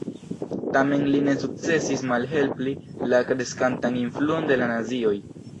Tamen li ne sukcesis malhelpi la kreskantan influon de la nazioj.